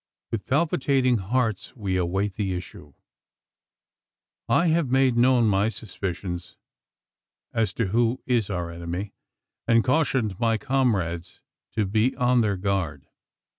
With palpitating hearts we await the issue. I have made known my suspicions as to who is our enemy, and cautioned my comrade's to be on their guard.